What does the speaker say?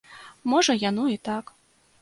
Можа яно і так.